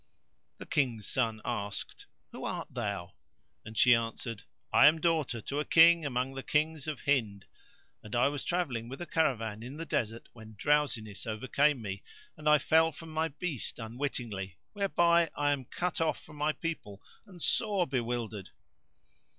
The King's son asked, "Who art thou?" and she answered, "I am daughter to a King among the Kings of Hind, and I was travelling with a caravan in the desert when drowsiness overcame me, and I fell from my beast unwittingly whereby I am cut off from my people and sore bewildered."